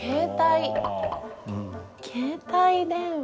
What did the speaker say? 携帯電話？